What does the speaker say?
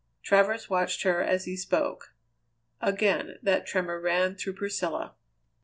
Travers watched her as he spoke. Again that tremor ran through Priscilla.